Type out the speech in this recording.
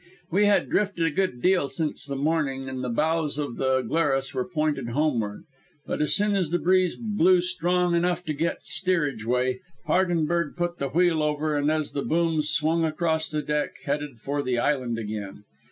We had drifted a good deal since the morning, and the bows of the Glarus were pointed homeward, but as soon as the breeze blew strong enough to get steerageway Hardenberg put the wheel over and, as the booms swung across the deck, headed for the island again.